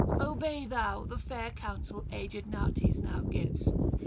Obey thou the fair counsel aged Nautes now gives.